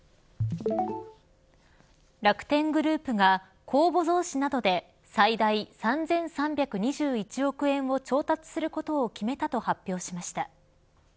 楽天グループは公募増資などで最大３３２１億円を調達することを決めたと発表しました。